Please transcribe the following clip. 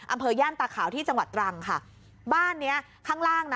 ย่านตาขาวที่จังหวัดตรังค่ะบ้านเนี้ยข้างล่างนะ